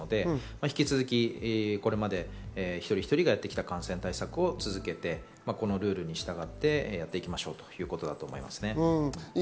引き続き、これまで一人一人がやってきた感染対策を続けて、ルールに従ってやっていきましょうということだと思います。